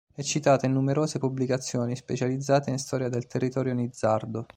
È citata in numerose pubblicazioni specializzate in storia del territorio nizzardo.